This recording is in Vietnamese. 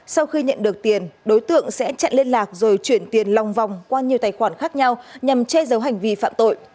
sau khi nhận được tiền đối tượng sẽ chặn liên lạc rồi chuyển tiền lòng vòng qua nhiều tài khoản khác nhau nhằm che giấu hành vi phạm tội